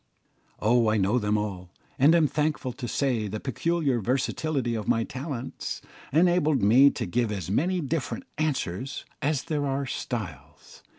Oh, I know them all, and am thankful to say the peculiar versatility of my talents enabled me to give as many different answers as there are styles.